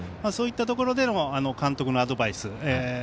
そういったところでの監督のアドバイス。